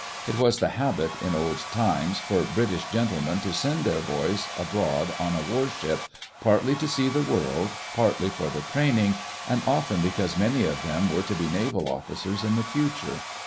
It was the habit, in old times, for Brit ish gentlemen to send their boys aboard on a warship, partly to see the world, partly for the training, and often because many of them were to be naval officers in the future.